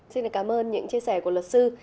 xin cảm ơn những chia sẻ của luật sư